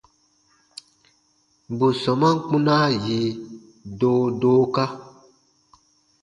Bù sɔmaan kpunaa yi doodooka.